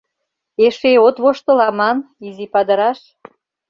— Эше от воштыл аман, изи падыраш!